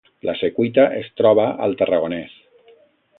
La Secuita es troba al Tarragonès